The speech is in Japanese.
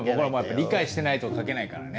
理解してないと書けないからね。